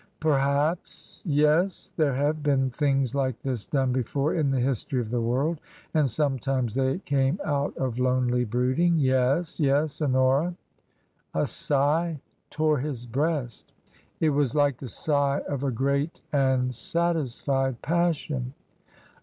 " Perhaps : yes. There have been things like this done before in the history of the world, and sometimes they came out of lonely brooding. Yes ! Yes ! Honora." A sigh tore his breast. It was like the sigh of a great and satisfied passion.